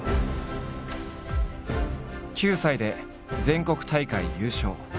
９歳で全国大会優勝。